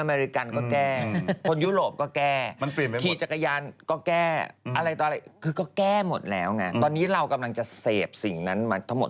มันก็จะแบบอิสระกันไม่หมดแบบพี่มาร์คก็หนึ่งบอกว่า